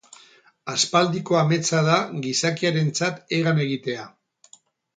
Aspaldiko ametsa da gizakiarentzat hegan egitea.